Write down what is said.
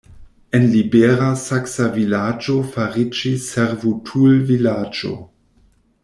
El libera saksa vilaĝo fariĝis servutulvilaĝo.